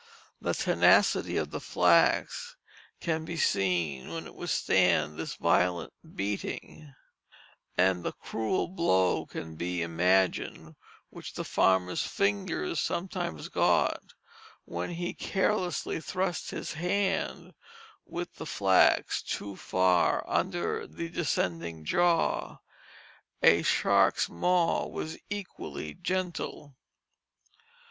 The tenacity of the flax can be seen when it would stand this violent beating; and the cruel blow can be imagined, which the farmer's fingers sometimes got when he carelessly thrust his hand with the flax too far under the descending jaw a shark's maw was equally gentle.